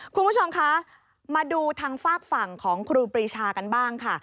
คุณผู้ชมคะมาดูทางฝากฝั่งของครูปรีชากันบ้างค่ะ